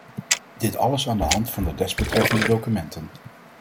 Dit alles aan de hand van de desbetreffende documenten.